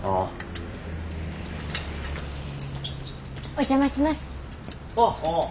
お邪魔します！